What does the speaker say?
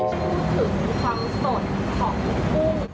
รู้สึกความสดของกุ้ง